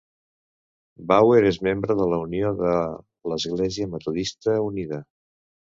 Bauer és membre de la Unió de l'Església Metodista Unida.